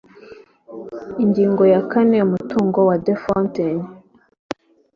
ingingo ya kane umutungo wa the fountain